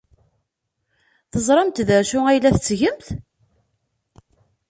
Teẓramt d acu ay la tettgemt?